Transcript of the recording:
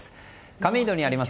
亀戸にあります